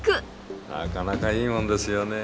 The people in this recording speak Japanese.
なかなかいいもんですよね。